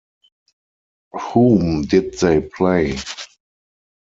Whom did they play?